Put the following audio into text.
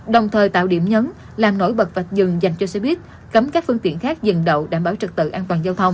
đồng thời tạo điểm nhấn làm nổi bật vạch dừng dành cho xe buýt cấm các phương tiện khác dừng đậu đảm bảo trật tự an toàn giao thông